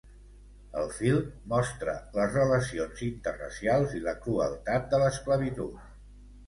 El film mostra les relacions interracials i la crueltat de l’esclavitud.